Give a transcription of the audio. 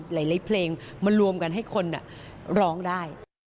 หลายเพลงมารวมกันให้คนร้องได้